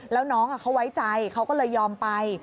แล้วน้องเขาไว้ใจเขาก็เลยยอมไป